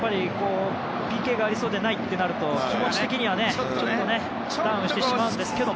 ＰＫがありそうでないとなると気持ち的にはちょっとダウンしてしまうんですけど。